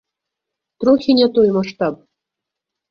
Трохі не той маштаб.